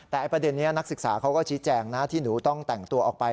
แต่ประเด็นนี้นักศึกษาเขาก็ชี้แจงนะที่หนูต้องแต่งตัวออกไป